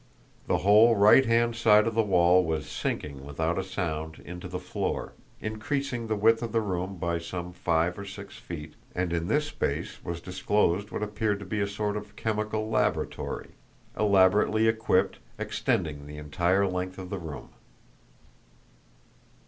The whole right hand side of the wall was sinking without a sound into the floor, increasing the width of the room by some five or six feet and in this space was disclosed what appeared to be a sort of chemical laboratory, elaborately equipped, extending the entire length of the room.